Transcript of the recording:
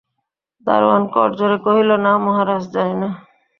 দরোয়ান করজোড়ে কহিল, না মহারাজ, জানি না।